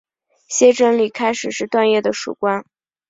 谢正礼开始是段业的属官。